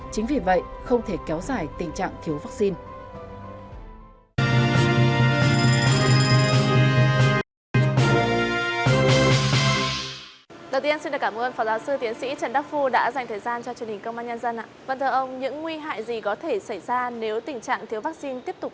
chính vì vậy không thể kéo dài tình trạng thiếu vaccine